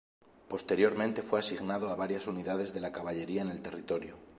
Posteriormente fue asignado a varias unidades de la Caballería en el territorio.